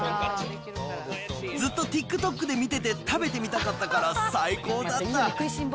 ずっとＴｉｋＴｏｋで見てて食べてみたかったから最高だった。